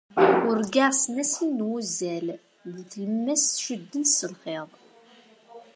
Urgaɣ ssnasel n wuzzal, deg tlemmast cuddent s lxiḍ.